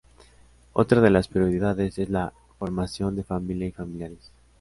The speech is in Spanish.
Otra de las prioridades es la formación de familia y familiares.